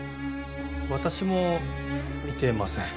私も見てません。